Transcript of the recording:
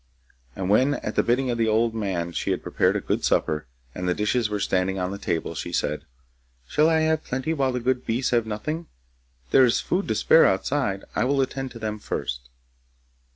And when at the bidding of the old man she had prepared a good supper, and the dishes were standing on the table, she said, 'Shall I have plenty while the good beasts have nothing? There is food to spare outside; I will attend to them first.